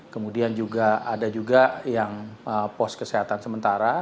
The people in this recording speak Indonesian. kemudian juga ada juga yang pos kesehatan sementara